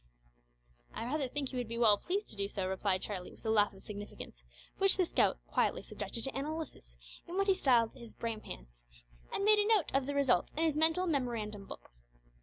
"I rather think he would be well pleased to do so," replied Charlie, with a laugh of significance, which the scout quietly subjected to analysis in what he styled his brain pan, and made a note of the result in his mental memorandum book!